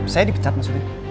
saya dipecat maksudnya